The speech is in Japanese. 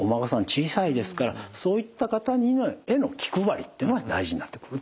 小さいですからそういった方への気配りっていうのは大事になってくると思います。